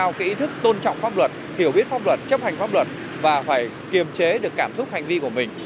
chúng ta phải có ý thức tôn trọng pháp luật hiểu biết pháp luật chấp hành pháp luật và phải kiềm chế được cảm xúc hành vi của mình